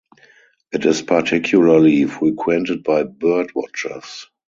It is particularly frequented by bird watchers.